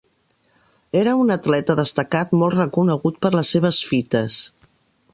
Era un atleta destacat molt reconegut per les seves fites.